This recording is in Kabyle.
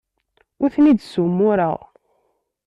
Ur ten-id-ssumureɣ.